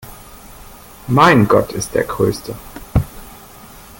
Mein Gott ist der größte!